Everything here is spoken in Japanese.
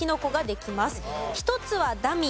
１つはダミー。